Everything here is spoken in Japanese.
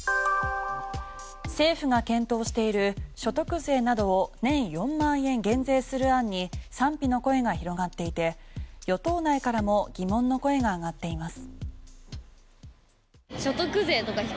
政府が検討している所得税などを年４万円減税する案に賛否の声が広がっていて与党内からも疑問の声が上がっています。